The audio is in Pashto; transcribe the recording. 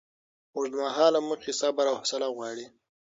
اوږدمهاله موخې صبر او حوصله غواړي.